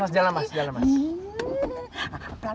jadi jangan pirip duit rata rata